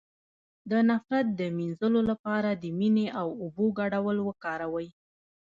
د نفرت د مینځلو لپاره د مینې او اوبو ګډول وکاروئ